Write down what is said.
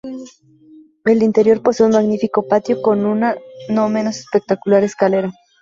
El interior posee un magnífico patio con una no menos espectacular escalera.